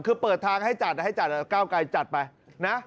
คือเปิดทางให้จัดให้จัดก้าวไกลจัดไปนะ